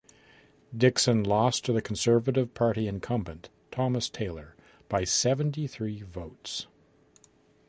Dixon lost to the Conservative Party incumbent, Thomas Taylor, by seventy-three votes.